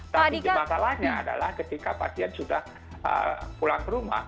tapi masalahnya adalah ketika pasien sudah pulang ke rumah